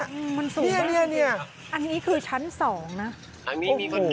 อืมมันสูงมากนี่นี่อันนี้คือชั้นสองน่ะอันนี้มีคนแก่ครับ